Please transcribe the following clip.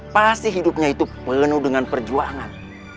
pasti hidupnya itu melenuh dengan perjuangan